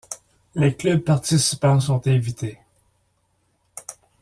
Les clubs participants sont invités.